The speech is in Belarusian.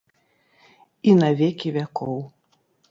І на векі вякоў.